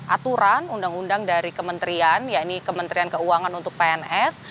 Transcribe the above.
aturan undang undang dari kementerian ya ini kementerian keuangan untuk pns